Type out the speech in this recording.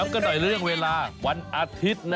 ย้ำกระด่อยเรื่องเวลาวันอาทิตย์นะ